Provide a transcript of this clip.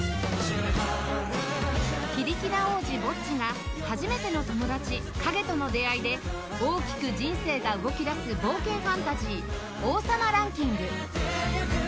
非力な王子ボッジが初めての友達カゲとの出会いで大きく人生が動き出す冒険ファンタジー『王様ランキング』